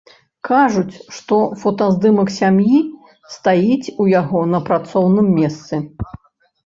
Кажуць, што фотаздымак сям'і стаіць у яго на працоўным месцы.